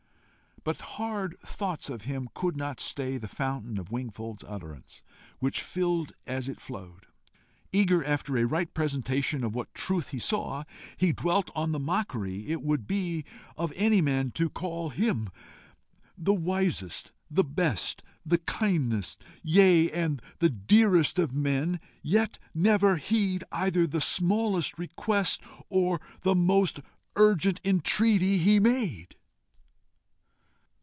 But hard thoughts of him could not stay the fountain of Wingfold's utterance, which filled as it flowed. Eager after a right presentation of what truth he saw, he dwelt on the mockery it would be of any man to call him the wisest, the best, the kindest, yea and the dearest of men, yet never heed either the smallest request or the most urgent entreaty he made.